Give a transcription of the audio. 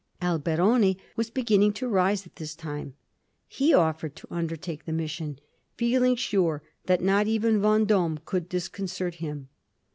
Alberoni was beginning to rise at this time. He offered to undertake the mis sion, feeling sure that not even Vend6me could dis concert him.